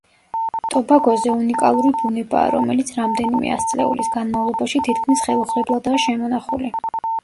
ტობაგოზე უნიკალური ბუნებაა, რომელიც რამდენიმე ასწლეულის განმავლობაში თითქმის ხელუხლებლადაა შემონახული.